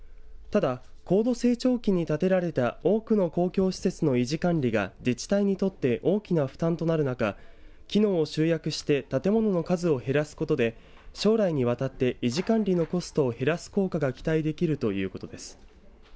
ただ高度成長期に建てられた多くの公共施設の維持管理が自治体にとって大きな負担となる中、機能を集約して建物の数を減らすことで将来にわたって維持管理のコストを減らす効果が期待できるということです。